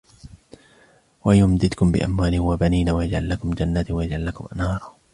ويمددكم بأموال وبنين ويجعل لكم جنات ويجعل لكم أنهارا